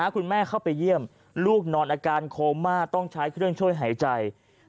เข้าไปเยี่ยมลูกนอนอาการโคม่าต้องใช้เครื่องช่วยหายใจ